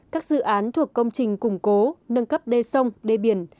các dự án thuộc công trình củng cố nâng cấp đê sông đê biển